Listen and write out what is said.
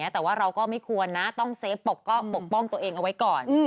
แต่ว่าเราก็ไม่ควรนะต้องเซฟปกป้องตัวเองเอาไว้ก่อน